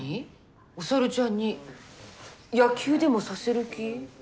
お猿ちゃんに野球でもさせる気？